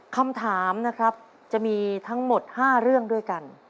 คำถามนะครับจะมีทั้งหมด๕เรื่องด้วยกัน